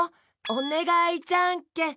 「おねがいじゃんけん」